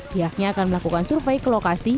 pihaknya akan melakukan survei ke lokasi